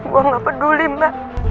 gue gak peduli mbak